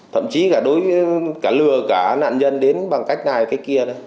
thậm chí cả lừa cả nạn nhân đến bằng cách này cách kia